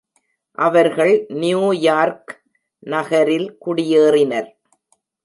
அவர்கள் நியூயார்க் நகரில் குடியேறினர்.